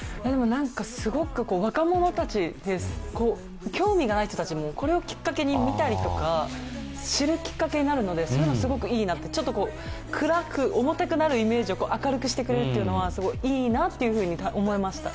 すごく若者たち、興味がない人たちもこれをきっかけに見たりとか、知るきっかけになるのでそういうのすごくいいなと、暗く、重たくなるイメージを明るくしてくれるのはすごくいいなと思いました。